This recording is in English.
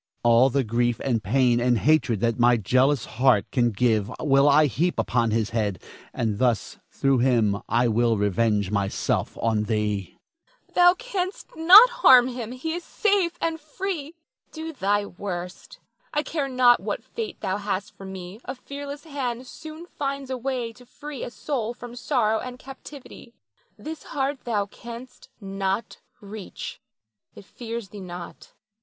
All the grief and pain and hatred that my jealous heart can give will I heap upon his head, and thus through him I will revenge myself on thee. Nina. Thou canst not harm him, he is safe and free. Do thy worst, I care not what fate thou hast for me, a fearless hand soon finds a way to free a soul from sorrow and captivity. This heart thou canst not reach. It fears thee not.